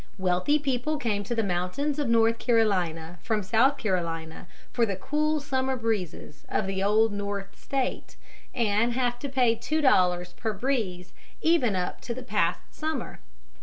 Wealthy people come to the mountains of North Carolina from South Carolina for the cool summer breezes of the Old North State, and have to pay two dollars per breeze even up to the past summer.